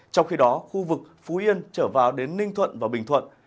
trong khi đó khu vực phú yên trở vào đến ninh thuận và bình thuận